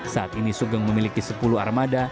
saat ini sugeng memiliki sepuluh armada